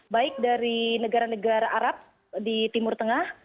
baik dari negara negara arab di timur tengah